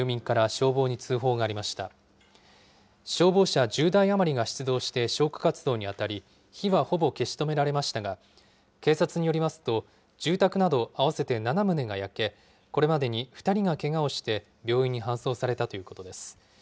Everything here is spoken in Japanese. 消防車１０台余りが出動して消火活動に当たり、火はほぼ消し止められましたが、警察によりますと、住宅など合わせて７棟が焼け、これまでに２人がけがをして、病院に搬送されたということです。